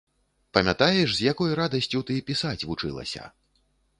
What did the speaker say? Памятаеш, з якой радасцю ты пісаць вучылася?